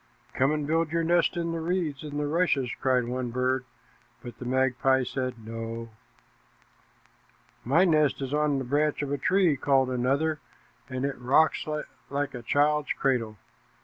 "Come and build your nest in the reeds and rushes," cried one bird, but the magpie said "No." "My nest is on the branch of a tree," called another, "and it rocks like a child's cradle.